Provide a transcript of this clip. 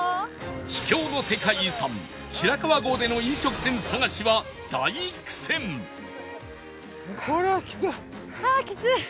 秘境の世界遺産白川郷での飲食店探しは大苦戦はあーきつい！